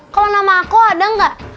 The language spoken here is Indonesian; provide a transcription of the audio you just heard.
kalo nama aku ada gak